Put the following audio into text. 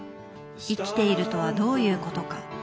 「生きているとはどういうことか」